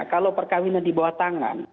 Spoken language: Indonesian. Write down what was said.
kalau perkawinan di bawah tangan